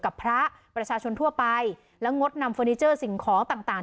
กับพระประชาชนทั่วไปแล้วงดนำเฟอร์นิเจอร์สิ่งของต่างต่าง